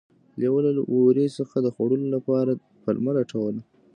لیوه له وري څخه د خوړلو لپاره پلمه لټوله.